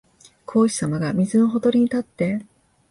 孔子さまが水のほとりに立って、